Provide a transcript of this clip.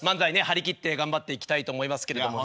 張り切って頑張っていきたいと思いますけれども。